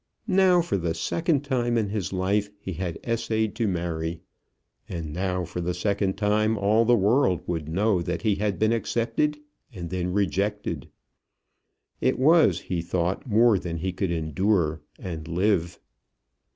Now for the second time in his life he had essayed to marry. And now for the second time all the world would know that he had been accepted and then rejected. It was, he thought, more than he could endure, and live.